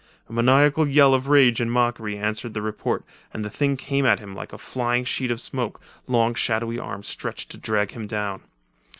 A maniacal yell of rage and mockery answered the report, and the thing came at him like a flying sheet of smoke, long shadowy arms stretched to drag him down.